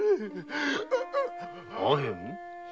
アヘン？